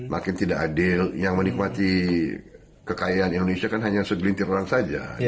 makin tidak adil yang menikmati kekayaan indonesia kan hanya segelintir orang saja